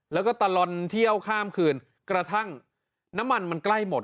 แล้วก็ตลอดเที่ยวข้ามคืนกระทั่งน้ำมันมันใกล้หมด